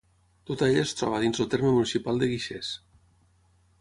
Tota ella es troba dins el terme municipal de Guixers.